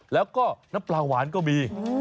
แล้วก็น้ำปลาหวานก็มี